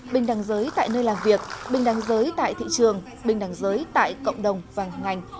bình đằng giới tại nơi làm việc bình đằng giới tại thị trường bình đằng giới tại cộng đồng và ngành